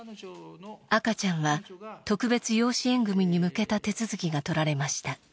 赤ちゃんは特別養子縁組に向けた手続きが取られました。